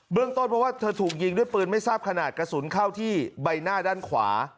เรื่องต้นเพราะว่าเธอถูกยิงด้วยปืนไม่ทราบขนาดกระสุนเข้าที่ใบหน้าด้านขวา